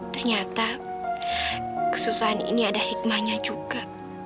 ternyata kesusahan ini ada hikmahnya juga